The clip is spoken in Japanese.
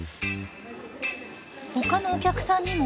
ほかのお客さんにも。